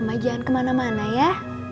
mama jangan kemana mana ya